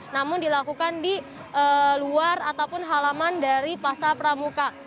namun dilakukan di luar ataupun halaman dari pasar pramuka